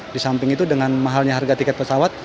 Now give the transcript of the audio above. di samping itu dengan mahalnya harga tiket pesawat